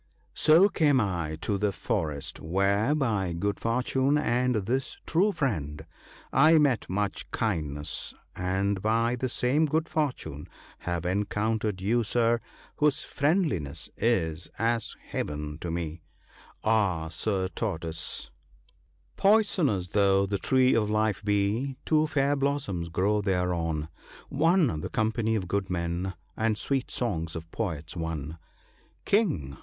* So came I to the forest, where, by good fortune and this true friend, I met much kindness ; and by the same good fortune have encountered you, Sir, whose friend liness is as Heaven to me. Ah ! Sir Tortoise, 44 THE BOOK OF GOOD COUNSELS. " Poisonous though the tree of life be, two fair blossoms grow thereon : One, the company of good men ; and sweet songs of Poets, one. "* King